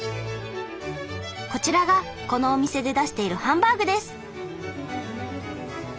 こちらがこのお店で出しているハンバーグです！